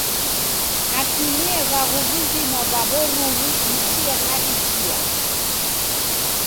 Natimie vaghu vizima va w'oruw'u ichia na ichia.